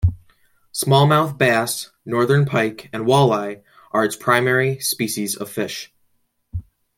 Smallmouth bass, northern pike and walleye are its primary species of fish.